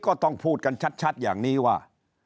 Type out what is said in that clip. ก็ต้องพูดกันชัดอย่างนี้ว่า